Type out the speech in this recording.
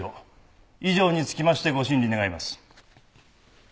以上につきましてご審理願います。